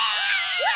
うわ！